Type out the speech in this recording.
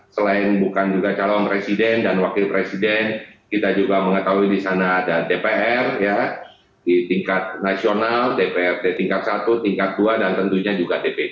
selain bukan juga calon presiden dan wakil presiden kita juga mengetahui di sana ada dpr di tingkat nasional dprd tingkat satu tingkat dua dan tentunya juga dpd